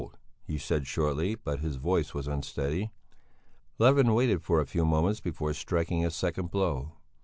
he said shortly, but his voice was unsteady. Levin waited for a few moments before striking a second blow.